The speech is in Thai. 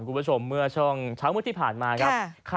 คุณผู้ชมเมื่อชงเวลาเมื่อกี่ผ่านมาครับ